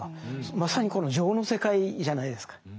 まさにこの情の世界じゃないですか。